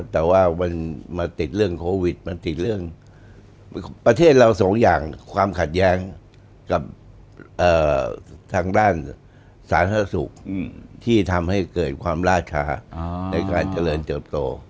แต่ว่ามันมาติดเรื่องโควิดมันติดเรื่องประเทศเราสองอย่างความขัดแย้งกับทางด้านสาธารณสุขที่ทำให้เกิดความล่าช้าในการเจริญเติบโต